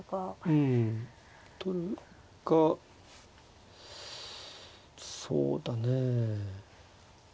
うん取るかそうだねえ。